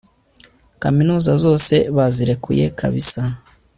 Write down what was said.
kaminuza zose bazirekuye kabisa